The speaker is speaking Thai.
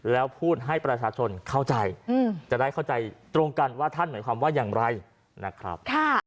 แล้วพูดให้ประชาชนเข้าใจจะได้เข้าใจตรงกันว่าท่านหมายความว่าอย่างไรนะครับ